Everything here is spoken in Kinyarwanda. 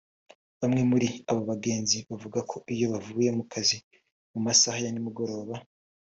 Bamwe muri abo bagenzi bavuga ko iyo bavuye ku kazi mu masaha ya nimugoroba